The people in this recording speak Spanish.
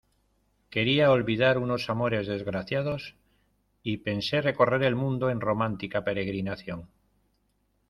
quería olvidar unos amores desgraciados, y pensé recorrer el mundo en romántica peregrinación.